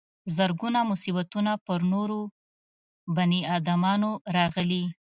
زرګونه مصیبتونه پر نورو بني ادمانو راغلي.